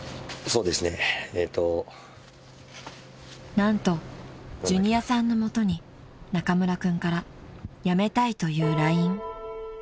［何とジュニアさんの元に中村君から辞めたいというＬＩＮＥ］